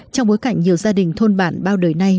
trong bối cảnh nhiều gia đình thôn bản bao đời nay